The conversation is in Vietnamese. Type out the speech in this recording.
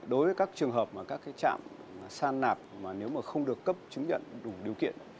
đối với các trường hợp mà các trạm san nạp mà nếu mà không được cấp chứng nhận đủ điều kiện